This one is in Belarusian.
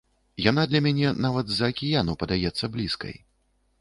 Яна для мяне нават з-за акіяну падаецца блізкай.